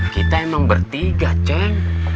kita emang bertiga ceng